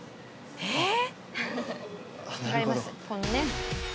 えっ？